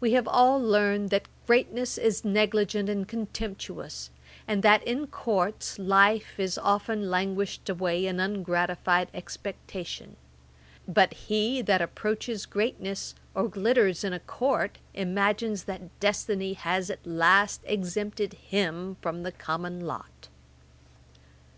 We have all learned that greatness is negligent and contemptuous, and that in Courts life is often languished away in ungratified expectation; but he that approaches greatness, or glitters in a Court, imagines that destiny has at last exempted him from the common lot.